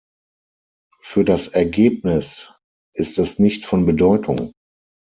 Für das Ergebnis ist es nicht von Bedeutung!